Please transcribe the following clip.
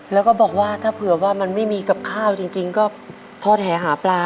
แล้วก็บอกว่าถ้าเผื่อว่ามันไม่มีกับข้าวจริงก็ทอดแหหาปลา